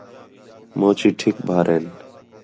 موچی ٹِھک بھار ہِن